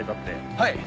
はい！